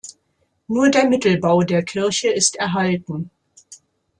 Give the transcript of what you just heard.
Nur der Mittelbau der Kirche ist erhalten.